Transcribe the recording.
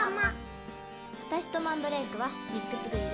私とマンドレークはミックスグリル。